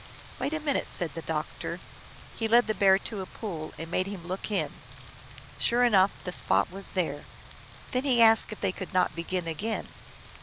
" Wait a minute," said the doctor. He led the Bear to a pool and made him look in. Sure enough, the spot was there. Then he asked if they could not begin again.